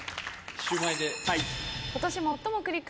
シューマイで。